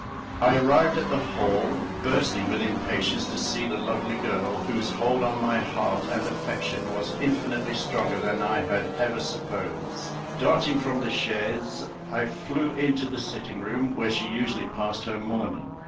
I arrived at the hall, bursting with impatience to see the lovely girl, whose hold on my heart and affection was infinitely stronger than I had ever supposed. Darting from the chaise, I flew into the sitting room, where she usually passed her morning.